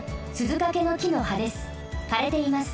かれています。